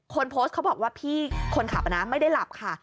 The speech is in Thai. คนโพสต์เขาบอกว่าพี่คนขับนะไม่ได้หลับค่ะ